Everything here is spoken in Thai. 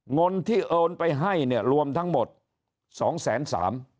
เงินที่โอนไปให้เนี่ยรวมทั้งหมดสองแสนสาม